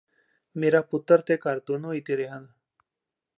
ਮੇਰਾ ਪੁੱਤਰ ਤੇ ਘਰ ਦੋਂਨੇ ਹੀ ਤੇਰੇ ਹਨ